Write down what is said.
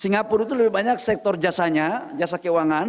singapura itu lebih banyak sektor jasanya jasa keuangan